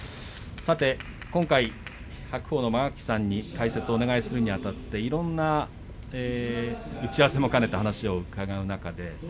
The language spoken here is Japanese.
今回、白鵬の間垣さんに解説をお願いするにあたっていろんな打ち合わせも兼ねてお話を伺ってきました。